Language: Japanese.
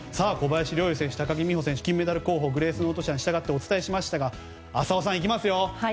小林陵侑選手、高木美帆選手と金メダル候補をグレースノート社に従ってお伝えしましたが浅尾さん、いきますよ。